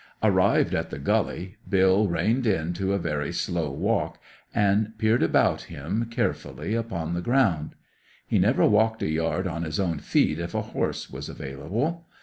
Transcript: Arrived at the gully, Bill reined in to a very slow walk, and peered about him carefully upon the ground. He never walked a yard on his own feet if a horse was available.